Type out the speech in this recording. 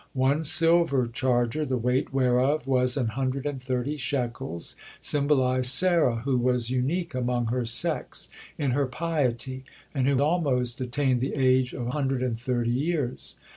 "One silver charger, the weight whereof was an hundred and thirty shekels," symbolized Sarah, who was unique among her sex in her piety, and who almost attained the age of hundred and thirty years.